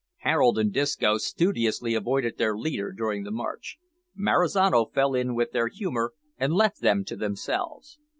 Harold and Disco studiously avoided their leader during the march. Marizano fell in with their humour and left them to themselves.